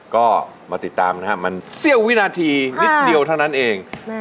ก็มาติดตามนะครับมันเสี้ยววินาทีนิดเดียวเท่านั้นเอง